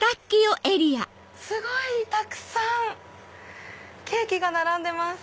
すごいたくさんケーキが並んでます。